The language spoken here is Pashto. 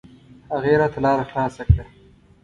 هغې راته لاره خلاصه کړه.